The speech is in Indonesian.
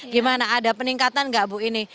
gimana ada peningkatan nggak bu ini